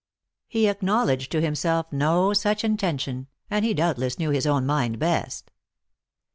He acknowledged to himself no such intention ; and he doubtless knew his own mind best.